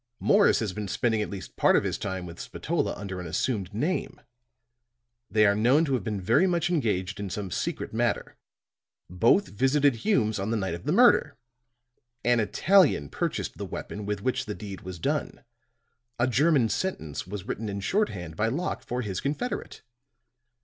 Morris has been spending at least part of his time with Spatola under an assumed name; they are known to have been very much engaged in some secret matter. Both visited Hume's on the night of the murder. An Italian purchased the weapon with which the deed was done. A German sentence was written in shorthand by Locke for his confederate.